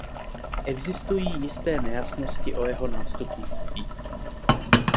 Existují jisté nejasnosti o jeho nástupnictví.